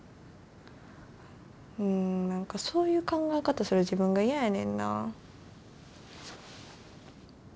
うん何かそういう考え方する自分が嫌やねんな。